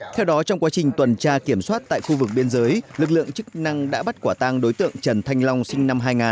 theo đó trong quá trình tuần tra kiểm soát tại khu vực biên giới lực lượng chức năng đã bắt quả tang đối tượng trần thanh long sinh năm hai nghìn